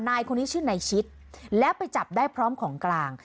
นายคนนี้ชื่อนายชิดแล้วไปจับได้พร้อมของกลาง